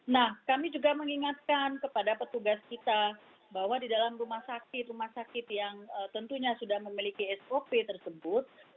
nah kami juga mengingatkan kepada petugas kita bahwa di dalam rumah sakit rumah sakit yang tentunya sudah memiliki sop tersebut